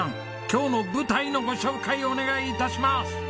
今日の舞台のご紹介お願い致します。